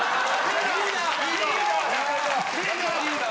・リーダー！